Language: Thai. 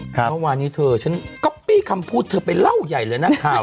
เมื่อวานนี้เธอฉันก๊อปปี้คำพูดเธอไปเล่าใหญ่เลยนะข่าว